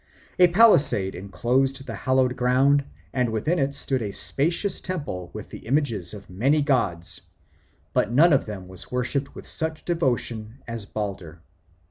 A palisade enclosed the hallowed ground, and within it stood a spacious temple with the images of many gods, but none of them was worshipped with such devotion as Balder.